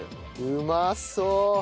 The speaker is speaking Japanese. うまそう！